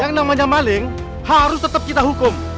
yang namanya maling harus tetap kita hukum